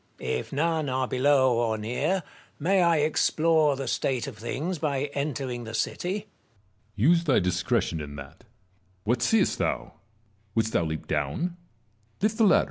If none are below or near, may I explore the state of things by entering the city ? Metellus. Use thy discretion in that. What seest thou ? Wouldst thou leap down ? Lift the ladder.